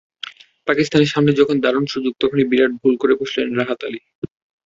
পাকিস্তানের সামনে যখন দারুণ সুযোগ তখনই বিরাট ভুল করে বসলেন রাহাত আলী।